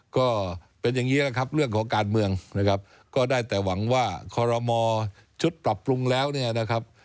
ก็เป็นอย่างนี้แหละครับเรื่องของการเมืองนะครับก็ได้แต่หวังว่าคอรมอชุดปรับปรุงแล้วเนี่ยนะครับ